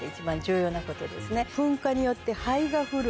噴火によって灰が降る。